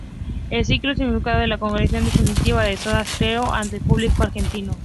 El disco significó la consagración definitiva de Soda Stereo ante el público argentino.